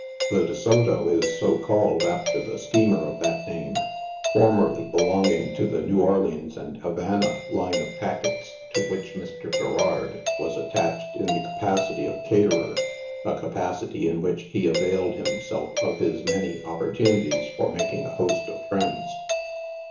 The De Soto i3 so called after the steamer of that name, formerly belonging to the New Orleans and Havana line of packets, to which vessel Mr. Garrard was attached in the capacity of caterer— a capa city in which he availed himself of his many opportunities for mak ing a host of friends.